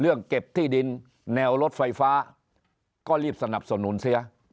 เก็บที่ดินแนวรถไฟฟ้าก็รีบสนับสนุนเสีย